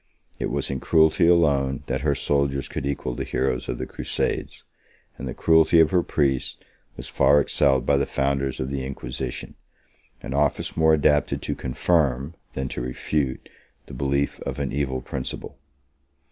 It was in cruelty alone that her soldiers could equal the heroes of the Crusades, and the cruelty of her priests was far excelled by the founders of the Inquisition; 31 an office more adapted to confirm, than to refute, the belief of an evil principle.